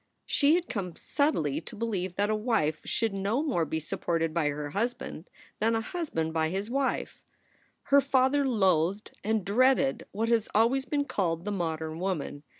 She had come subtly to believe that a wife should no more be supported by her husband than a husband by his wife. Her father loathed and dreaded what has always been called the modern woman.